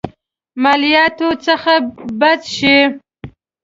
مالياتو څخه بچ شي.